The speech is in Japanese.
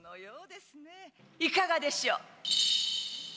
いかがでしょう。